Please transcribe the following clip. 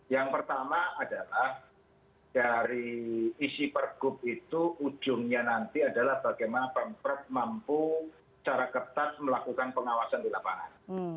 yang pertama adalah dari isi pergub itu ujungnya nanti adalah bagaimana pemprov mampu secara ketat melakukan pengawasan di lapangan